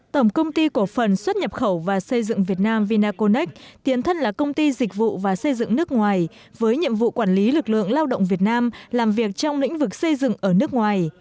tổng công ty cổ phần xuất nhập khẩu và xây dựng việt nam vinaconex tiến thân là công ty dịch vụ và xây dựng nước ngoài với nhiệm vụ quản lý lực lượng lao động việt nam làm việc trong lĩnh vực xây dựng ở nước ngoài